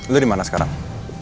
lu dimana sekarang